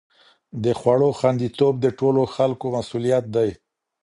د خوړو خوندي توب د ټولو خلکو مسؤلیت دی.